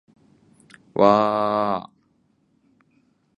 わあああああああ